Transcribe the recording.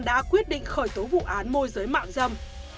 đã quyết định khởi tố vụ án môi giới mạnh rầm